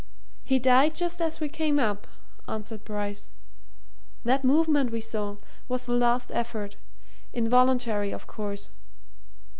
"He died just as we came up," answered Bryce. "That movement we saw was the last effort involuntary, of course.